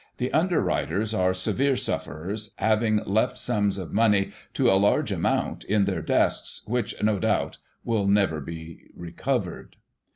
The underwriters are severe sufferers, having left siuns of money, to a large amount, in their desks, which, no doubt, will never be recovered.